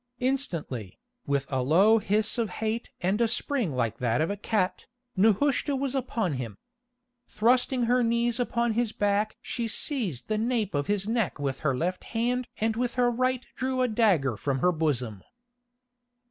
Instantly, with a low hiss of hate and a spring like that of a cat, Nehushta was upon him. Thrusting her knees upon his back she seized the nape of his neck with her left hand and with her right drew a dagger from her bosom.